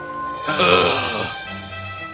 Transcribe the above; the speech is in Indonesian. dan kerajaan mendapatkan kembali kesehatan